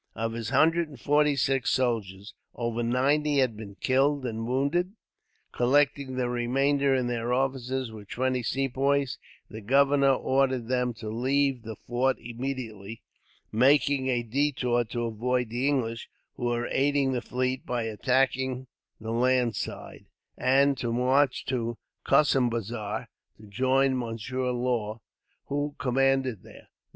Of his hundred and forty six soldiers, over ninety had been killed and wounded. Collecting the remainder, and their officers, with twenty Sepoys, the governor ordered them to leave the fort immediately; making a detour to avoid the English, who were aiding the fleet by attacking the land side, and to march to Kossimbazar to join Monsieur Law, who commanded there.